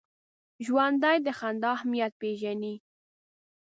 ژوندي د خندا اهمیت پېژني